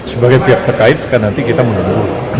sebagai pihak terkait kan nanti kita menunggu